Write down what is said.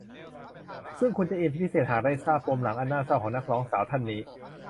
ซึ่งคุณจะอินเป็นพิเศษหากได้ทราบปมหลังอันน่าเศร้าของนักร้องสาวท่านนี้